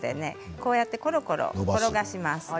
こうやってコロコロ転がします。